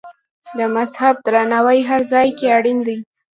د مذهب درناوی هر ځای کې اړین دی.